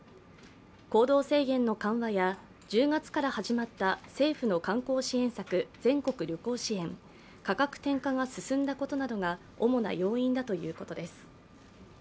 行動制限の緩和や１０月から始まった政府の観光支援策、全行旅行支援、価格転嫁が進んだことなどが主な要因だということです。